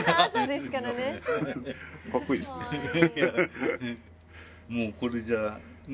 かっこいいですね。